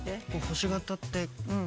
◆星形って。